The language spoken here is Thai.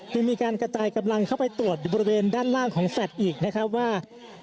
ยังมีการกระจายกำลังเข้าไปตรวจอยู่บริเวณด้านล่างของแฟลตอีกนะครับว่า